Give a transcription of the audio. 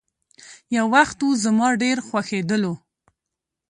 يو وخت وو، زما ډېر خوښيدلو.